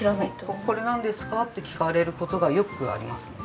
これなんですか？って聞かれる事がよくありますね。